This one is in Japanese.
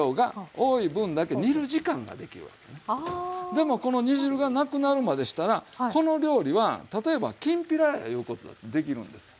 でもこの煮汁がなくなるまでしたらこの料理は例えばきんぴらやいうことだってできるんです。